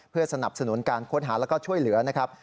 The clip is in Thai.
เพื่อสนับสนุนการค้นหาแล้วก็ช่วยเหลือนะครับ